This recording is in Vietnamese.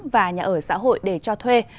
và nhà ở xã hội để cho thuê